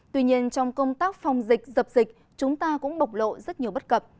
tuy nhiên trong công tác phòng dịch dập dịch chúng ta cũng bộc lộ rất nhiều bất cập